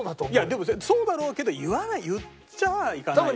でもそうだろうけど言わない言っちゃいかない。